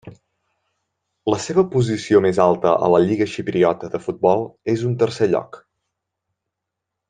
La seva posició més alta a la Lliga xipriota de futbol és un tercer lloc.